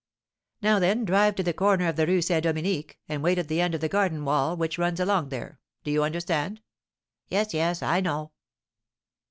"Now, then, drive to the corner of the Rue St. Dominique, and wait at the end of the garden wall which runs along there; do you understand?" "Yes, yes, I know."